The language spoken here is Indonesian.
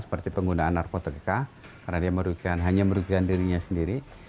seperti penggunaan narkotika karena dia hanya merugikan dirinya sendiri